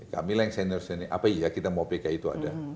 kamileng sanders ini apa iya kita mau pki itu ada